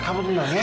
kamu dengar ya